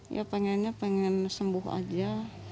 ya pengennya pengen sembuh aja